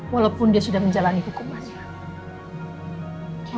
walaupun dia sudah menjalani hukuman